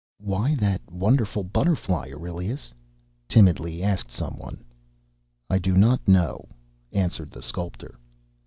"Why that wonderful butterfly, Aurelius?" timidly asked some one. "I do not know," answered the sculptor.